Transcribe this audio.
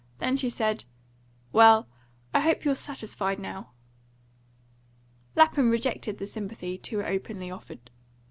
Then she said: "Well, I hope you're satisfied now." Lapham rejected the sympathy too openly offered.